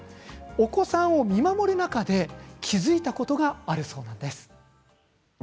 お子さんを見守る中で気付いたことがあるそうです。